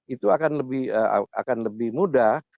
itu akan lebih mudah